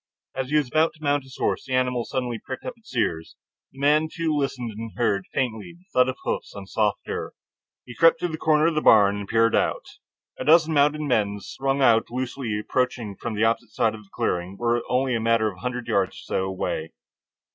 As he was about to mount his horse, the animal suddenly pricked up its ears. The man, too, listened, and heard, faintly, the thud of hoofs on soft earth. He crept to the corner of the barn and peered out. A dozen mounted men, strung out loosely, approaching from the opposite side of the clearing, were only a matter of a hundred yards or so away.